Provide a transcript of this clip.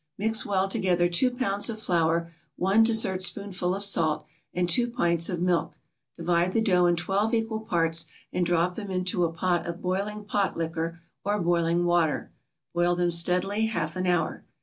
= Mix well together two pounds of flour, one dessertspoonful of salt, and two pints of milk; divide the dough in twelve equal parts, and drop them into a pot of boiling pot liquor, or boiling water; boil them steadily half an hour.